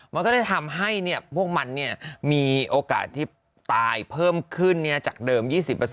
มันก็จะทำให้พวกมันมีโอกาสที่ตายเพิ่มขึ้นจากเดิม๒๐